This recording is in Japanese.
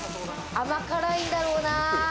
甘辛いんだろうな。